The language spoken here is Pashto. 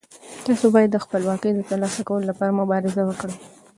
تاسو باید د خپلواکۍ د ترلاسه کولو لپاره مبارزه وکړئ.